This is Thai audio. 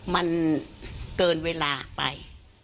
มันเกินเวลาไป